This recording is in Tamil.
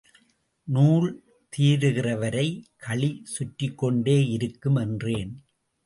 நூல் தீருகிறவரை கழி சுற்றிக் கொண்டேயிருக்கும் என்றேன்.